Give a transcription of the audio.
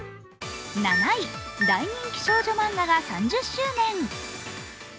７位、大人気少女漫画が３０周年。